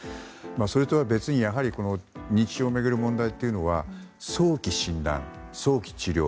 それとは別に、認知症を巡る問題というのは早期診断、早期治療